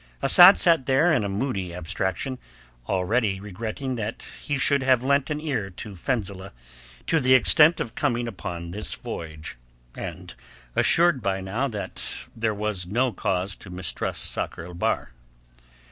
Asad sat there in a moody abstraction, already regretting that he should have lent an ear to Fenzileh to the extent of coming upon this voyage, and assured by now that at least there was no cause to mistrust Sakr el Bahr.